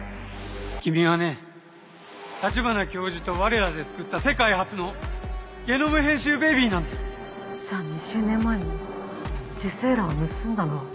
君はね立花教授と我らでつくった世界初のゲノム編集ベビーなんだよじゃあ２０年前に受精卵を盗んだのは。